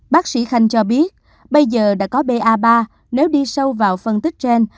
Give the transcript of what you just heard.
bác sĩ khanh cho biết bây giờ đã có ba nếu đi sâu vào phân tích trên